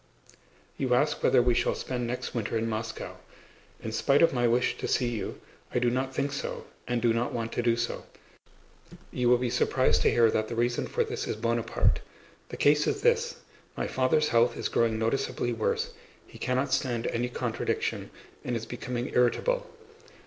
You ask whether we shall spend next winter in Moscow. In spite of my wish to see you, I do not think so and do not want to do so. You will be surprised to hear that the reason for this is Buonaparte! The case is this: my father's health is growing noticeably worse, he cannot stand any contradiction and is becoming irritable.